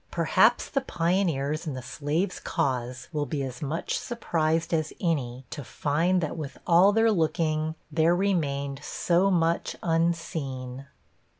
Perhaps the pioneers in the slave's cause will be as much surprised as any to find that with all their looking, there remained so much unseen.